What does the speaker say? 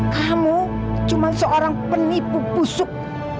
kamu cuma seorang penipu busuk